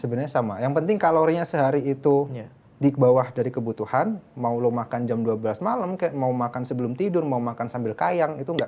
sebenarnya sama yang penting kalorinya sehari itu di bawah dari kebutuhan mau lo makan jam dua belas malam kayak mau makan sebelum tidur mau makan sambil kayang itu enggak